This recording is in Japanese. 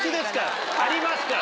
ありますから。